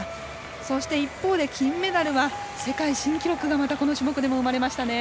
そうして一方で金メダルが世界新記録がまたこの種目でも生まれましたね。